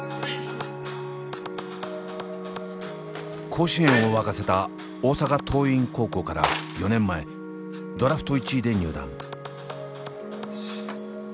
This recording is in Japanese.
甲子園を沸かせた大阪桐蔭高校から４年前ドラフト１位で入団。